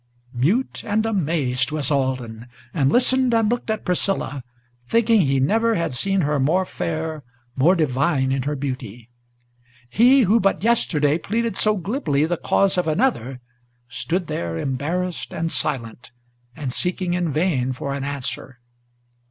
Mute and amazed was Alden; and listened and looked at Priscilla, Thinking he never had seen her more fair, more divine in her beauty. He who but yesterday pleaded so glibly the cause of another, Stood there embarrassed and silent, and seeking in vain for an answer.